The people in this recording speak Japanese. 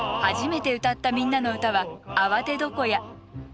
初めて歌った「みんなのうた」は「あわて床屋」。